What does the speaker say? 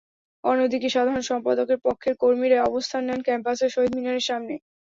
অন্যদিকে সাধারণ সম্পাদকের পক্ষের কর্মীরা অবস্থান নেন ক্যাম্পাসের শহীদ মিনারের সামনে।